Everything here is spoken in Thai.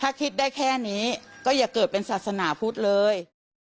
ถ้าคิดได้แค่นี้ก็อย่าเกิดเป็นศาสนาพุทธเลย